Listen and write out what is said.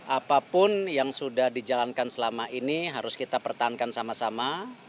apapun yang sudah dijalankan selama ini harus kita pertahankan sama sama